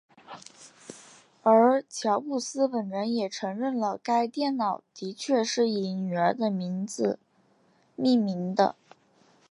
而乔布斯本人也承认了该电脑的确是以女儿的名字命名的。